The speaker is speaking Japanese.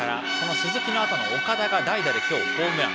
鈴木のあとの岡田が代打でホームラン。